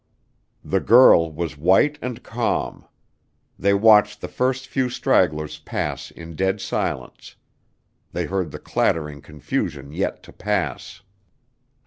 The girl was white and calm. They watched the first few stragglers pass in dead silence; they heard the clattering confusion yet to pass.